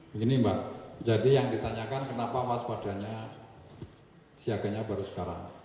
begini mbak jadi yang ditanyakan kenapa waspadanya siaganya baru sekarang